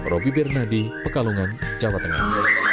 robby bernadi pekalungan jawa tengah